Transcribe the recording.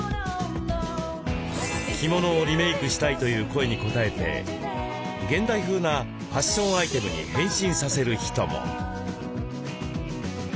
着物をリメイクしたいという声に応えて現代風なファッションアイテムに変身させる人も。